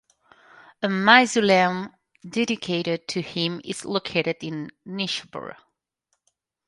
A mausoleum dedicated to him is located in Nishapur.